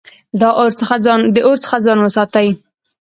د اور څخه ځان وساتئ